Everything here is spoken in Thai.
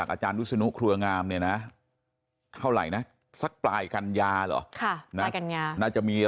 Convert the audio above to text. ซ้ำอีกครั้งในบางประเด็นที่